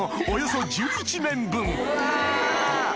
およそ１１面分